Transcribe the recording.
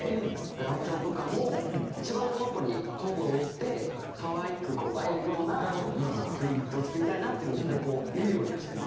ａｎｏちゃんとかも一番この子にこの子が踊って可愛く映えるような振りを作りたいなっていうので絶対見るようにはしてます。